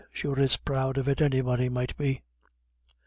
Sure it's proud of it anybody might be."